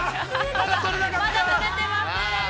まだ取れてませんー。